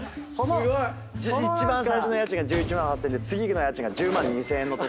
一番最初の家賃が１１万８，０００円で次の家賃が１０万２，０００円の所を。